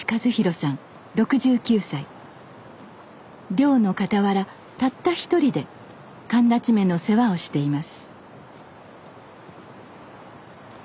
漁のかたわらたった１人で寒立馬の世話をしています。